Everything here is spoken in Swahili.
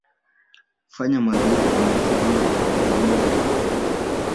Fanya mazoezi kwenye sehemu zenye milima na uongeze uzito